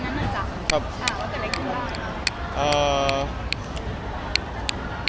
เล่าเหตุการณ์วันนั้นหนึ่งจ้ะ